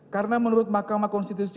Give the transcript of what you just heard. karena menurut mahkamah konstitusi